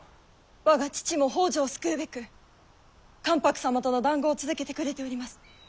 我が父も北条を救うべく関白様との談合を続けてくれております。